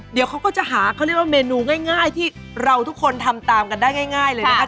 เดี๋ยวเขาก็จะหาเขาเรียกว่าเมนูง่ายที่เราทุกคนทำตามกันได้ง่ายเลยนะคะ